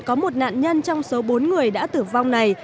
có một nạn nhân trong số bốn người đã tử vong này